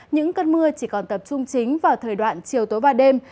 những cơn mưa chỉ còn tập trung chính vào thời đoạn chiều tối và đêm